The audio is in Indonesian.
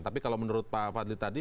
tapi kalau menurut pak fadli tadi